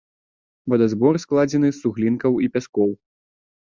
Вадазбор складзены з суглінкаў і пяскоў.